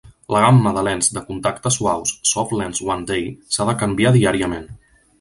La gamma de lents de contacte suaus "SofLens One Day" s'ha de canviar diàriament.